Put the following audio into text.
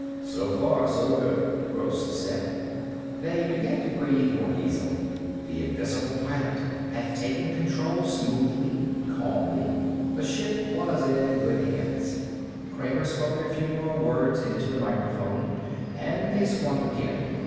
"So far so good," Gross said. They began to breathe more easily. The invisible pilot had taken control smoothly, calmly. The ship was in good hands. Kramer spoke a few more words into the microphone, and they swung again.